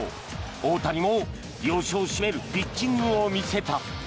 大谷も要所を締めるピッチングを見せた。